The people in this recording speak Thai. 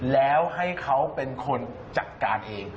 แล้วให้เขาเป็นคนจัดการเอง